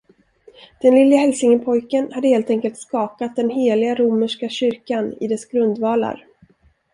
Den lille hälsingepojken hade helt enkelt skakat den heliga romerska kyrkan i dess grundvalar.